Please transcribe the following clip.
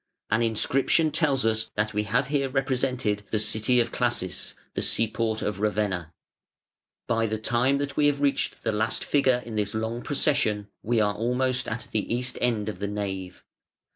An inscription tells us that we have here represented the city of Classis, the seaport of Ravenna. By the time that we have reached the last figure in this long procession we are almost at the east end of the nave.